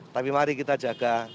tapi mari kita jaga